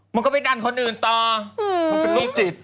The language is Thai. มันก็ไปดันคนอื่นต่อมันเป็นโรคจิต